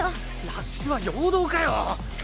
ラッシュは陽動かよ！